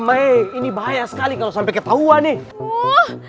bayangin saya sekali kalau sampai ketahuan nih